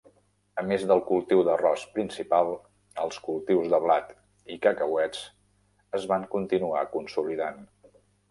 A més del cultiu d'arròs principal, els cultius de blat i cacauets es van continuar consolidant.